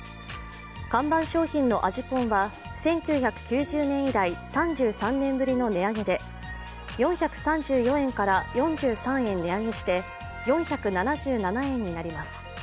看板商品の味ぽんは、１９９０年以来３３年ぶりの値上げで４３４円から４３円値上げして４７７円になります。